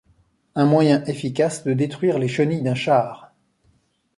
Un moyen efficace de détruire les chenilles d'un char.